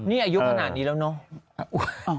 นี่อายุขนาดนี้แล้วเนาะ